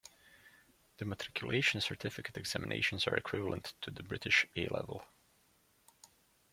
The Matriculation Certificate examinations are equivalent to the British A Level.